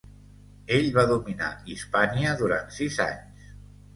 Ell va dominar Hispània durant sis anys.